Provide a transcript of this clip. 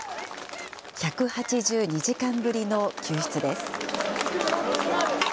１８２時間ぶりの救出です。